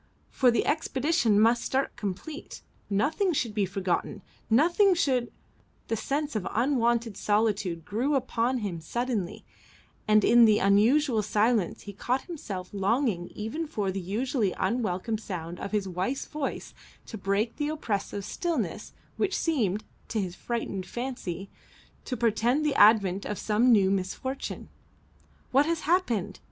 For the expedition must start complete, nothing should be forgotten, nothing should " The sense of the unwonted solitude grew upon him suddenly, and in the unusual silence he caught himself longing even for the usually unwelcome sound of his wife's voice to break the oppressive stillness which seemed, to his frightened fancy, to portend the advent of some new misfortune. "What has happened?"